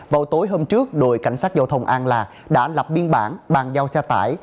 vào tối hôm trước đội cảnh sát giao thông an lạc đã lập biên bản bàn giao xe tải